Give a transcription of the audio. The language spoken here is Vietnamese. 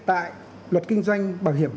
tại luật kinh doanh bảo hiểm